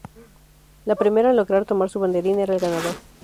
La primera en lograr tomar su banderín era el ganador.